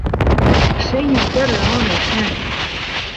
Zein oker egon naizen!